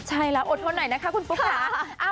ใช่แล้วอดทนหน่อยนะคะคุณปุ๊กค่ะ